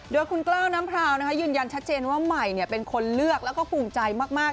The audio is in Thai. โดยคุณกล้าวน้ำพราวยืนยันชัดเจนว่าใหม่เป็นคนเลือกแล้วก็ภูมิใจมาก